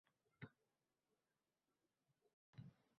Bo’lgan ishlar shundaysiga ham bajarilib ketilaveradi.